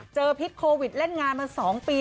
เจอพิษโควิดแร่งงานมาสองปี